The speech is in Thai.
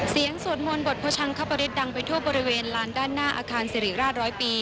สวดมนต์บทพชังคปริศดังไปทั่วบริเวณลานด้านหน้าอาคารสิริราชร้อยปี